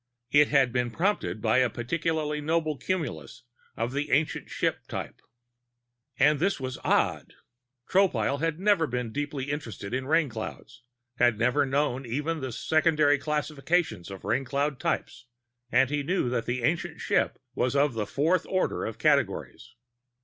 It had been prompted by a particularly noble cumulus of the Ancient Ship type. And this was odd. Tropile had never been deeply interested in Rainclouds, had never known even the secondary classifications of Raincloud types. And he knew that the Ancient Ship was of the fourth order of categories.